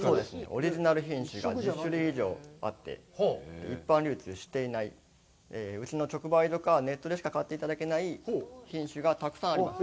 オリジナル品種が１０種類以上あって、一般流通していない、うちの直売所かネットでしか買っていただけない品種がたくさんあります。